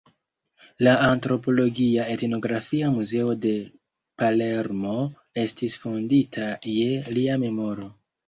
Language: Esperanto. La Antropologia Etnografia Muzeo de Palermo estis fondita je lia memoro.